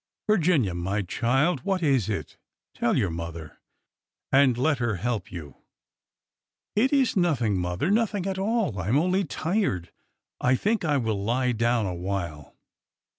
'' Virginia ! my child— what is it ? tell your mother, and let her help you !"'' It is nothing, mother ; nothing at all. I 'm only tired. I think I will lie down a while."